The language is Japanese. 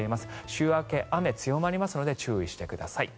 週明け、雨が強まりますので注意してください。